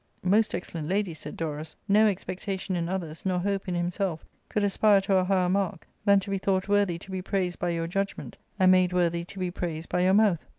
" Most excellent lady,'* said Dorus, " no expectation in others, nor hope in himself, could aspire to a higher mark than to be thought worthy to be praised by your judgment, and made worthy to be praised by your mouth.